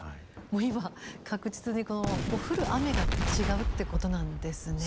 もう今確実にこう降る雨が違うってことなんですね。